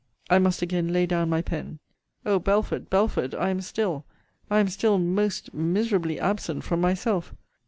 I must again lay down my pen. O Belford! Belford! I am still, I am still most miserably absent from myself!